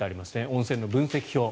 温泉の分析表。